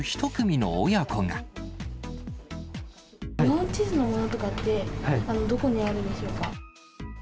日本地図のものとかって、どこにあるのでしょうか？